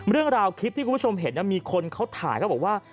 เรื่องราวคลิปที่คุณผู้ชมเห็นมีคนเขาถ่ายเขาบอกว่า